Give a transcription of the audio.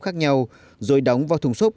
khác nhau rồi đóng vào thùng xốp